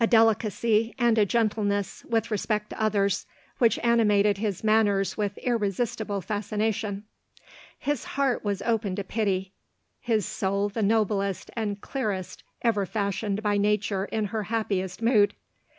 299 delicacy, and a gentleness, with respect to others, which animated his manners with irresistible fascination. His heart was open to pity— his soid the noblest and clearest ever fashioned by nature in her happiest mood.